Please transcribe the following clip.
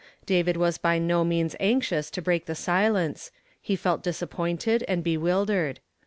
David was by no means anxious to oreak the silence ; he felt disapi)ointed and bewildered.